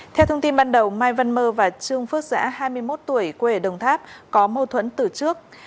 theo thông tin ban đầu mai văn mơ và trương phước giã hai mươi một tuổi quê ở đồng tháp có mâu thuẫn từ trước